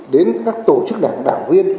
đến các tổ chức đảng đảng viên